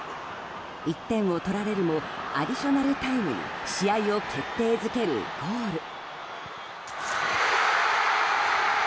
１点を取られるもアディショナルタイムに試合を決定づけるゴール。